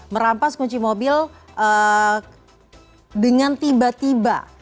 merampas kunci mobil dengan tiba tiba